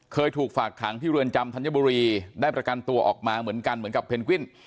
เคยถูกฝากขังที่เรือนจำธัญบุรีได้ประกันตัวออกมาเหมือนกันเหมือนกับเพนกวิน